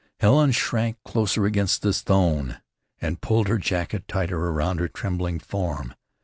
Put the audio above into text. Helen shrank closer against the stone, and pulled her jacket tighter around her trembling form.